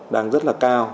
đang rất là cao